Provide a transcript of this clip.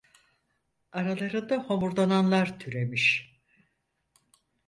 Aralarında homurdananlar türemiş.